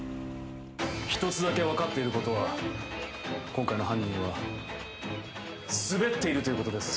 一つだけ分かっていることは今回の犯人はスベっているということです。